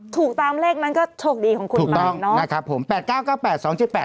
ถูกตามเลขนั้นก็โชคดีของคุณถูกต้องเนอะนะครับผมแปดเก้าเก้าแปดสองจุดแปด